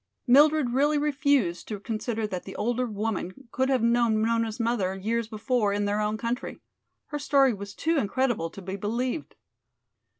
Mildred really refused to consider that the older woman could have known Nona's mother years before in their own country. Her story was too incredible to be believed.